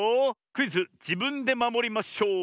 クイズ「じぶんでまもりまショウ」